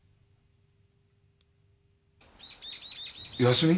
休み？